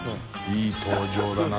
いい登場だな。